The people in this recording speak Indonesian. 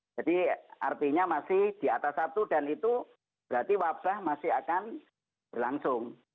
jadi artinya masih di atas satu dan itu berarti wabah masih akan berlangsung